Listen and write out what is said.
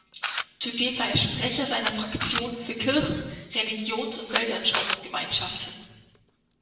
Zudem war er Sprecher seiner Fraktion für Kirchen, Religions- und Weltanschauungsgemeinschaften.